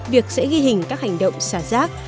việc sẽ ghi hình các hành động xả rác